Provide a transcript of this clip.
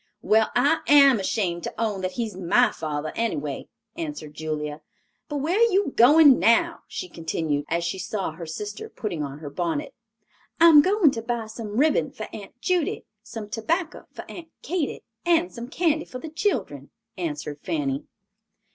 "Well, I am ashamed to own that he is my father, anyway," answered Julia; "but where are you going now?" she continued, as she saw her sister putting on her bonnet. "I am going to buy some ribbon for Aunt Judy, some tobacco for Aunt Katy, and some candy for the children," answered Fanny.